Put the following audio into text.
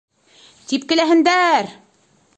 Типкеләһендәр!